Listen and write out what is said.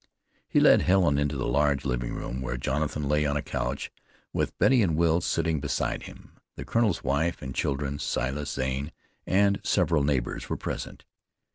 He led Helen into the large sitting room where Jonathan lay on a couch, with Betty and Will sitting beside him. The colonel's wife and children, Silas Zane, and several neighbors, were present.